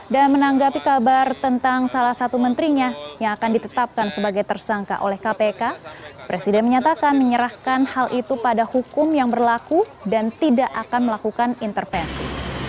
dan menanggapi kabar tentang salah satu menterinya yang akan ditetapkan sebagai tersangka oleh kpk presiden menyatakan menyerahkan hal itu pada hukum yang berlaku dan tidak akan melakukan intervensi